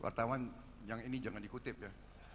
wartawan yang ini jangan dikutip ya